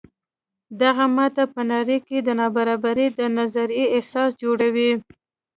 دغه ماته په نړۍ کې د نابرابرۍ د نظریې اساس جوړوي.